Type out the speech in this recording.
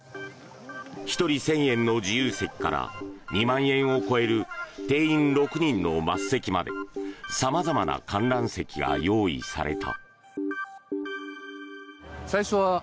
１人１０００円の自由席から２万円を超える定員６人の升席まで様々な観覧席が用意された。